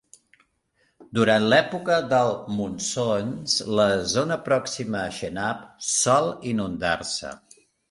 Durant l'època del monsons, la zona pròxima a Chenab sol inundar-se.